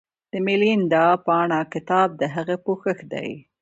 د میلیندا پانه کتاب د هغه پوښتنې دي